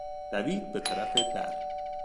دوید به طرف در.